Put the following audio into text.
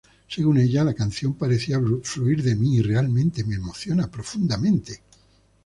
Según ella "la canción parecía fluir de mí y realmente me emociona profundamente".